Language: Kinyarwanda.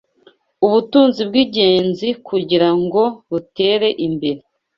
ubutunzi bw’ingenzi kugira ngo rutere imbere